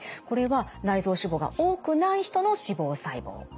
これは内臓脂肪が多くない人の脂肪細胞。